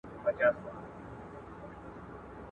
شپه د ژمي هم سړه وه هم تياره وه